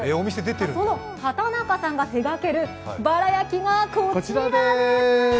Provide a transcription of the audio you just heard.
その畑中さんが手がけるバラ焼きがこちらです。